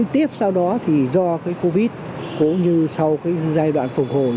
tiếp sau đó thì do cái covid cũng như sau cái giai đoạn phục hồi